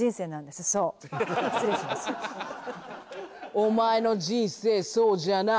「お前の人生そうじゃない」